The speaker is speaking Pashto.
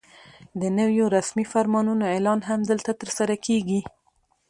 د نویو رسمي فرمانونو اعلان هم دلته ترسره کېږي.